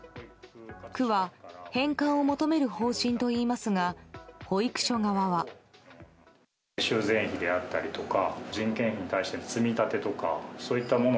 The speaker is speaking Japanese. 区は返還を求める方針といいますが保育所側は。困惑した様子。